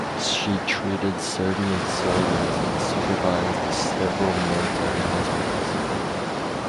She treated Serbian soldiers and supervised several military hospitals.